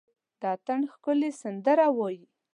د اټن ښکلي سندره وايي،